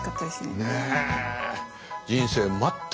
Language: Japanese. ねえ。